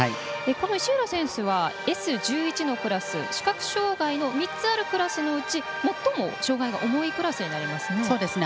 石浦選手はＳ１１のクラス視覚障がいの３つあるクラスのうち最も障がいが重いクラスになりますね。